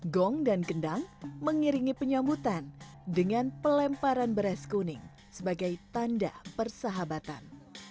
gong dan gendang mengiringi penyambutan dengan pelemparan beras kuning sebagai tanda persahabatan